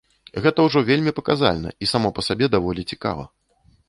Гэта ўжо вельмі паказальна, і само па сабе даволі цікава.